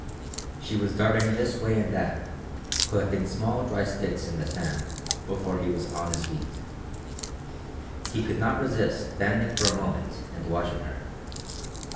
She was darting this way and that, collecting small dry sticks in the sand before he was on his feet. He could not resist standing for a moment and watching her.